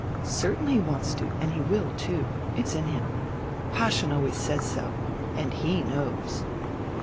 "Certainly he wants to, and he will, too. It's in him. Paaschen always says so and he knows."